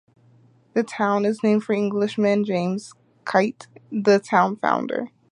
The town is named for Englishman James Keyte, the town founder.